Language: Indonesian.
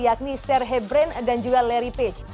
yakni sir hebron dan juga larry page